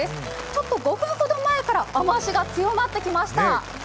ちょっと５分ほど前から雨脚が強まってきました。